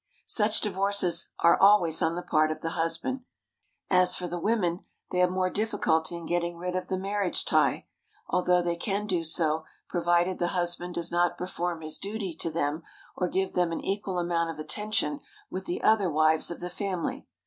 Such divorces are always on the part of the husband. As for the women, they have more difficulty in getting rid of the marriage tie, although they can do so provided the husband does not perform his duty to them or give them an equal amount of attention with the other wives of the family.